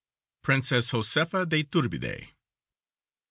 PRINCESS JOSEFA DE YTURBIDE.